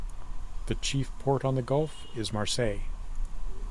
The chief port on the gulf is Marseille.